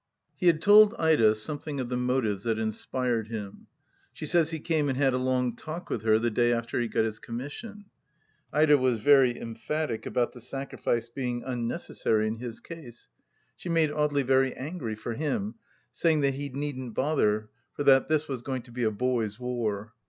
He had told Ida something of the motives that inspired him. She says he came and had a long talk with her the day after he got his commission. Ida was very emphatic about the sacrifice being unnecessary in his case. She made Audely very angry, for him, saying that he needn't bother, for that this was going to be a boys' war.